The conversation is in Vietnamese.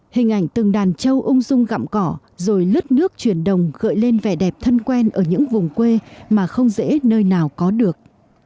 hình ảnh từng đàn trâu ung dung gặm cỏ rồi lướt nước chuyển đồng gợi lên vẻ đẹp thân quen ở những vùng quê mà không dễ nơi nào có được